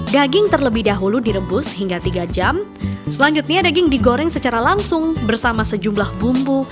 daging digoreng secara langsung bersama sejumlah bumbu